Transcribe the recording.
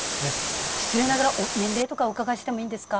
失礼ながら年齢とかお伺いしてもいいですか？